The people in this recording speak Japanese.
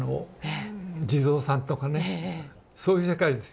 地蔵さんとかねそういう世界ですよ。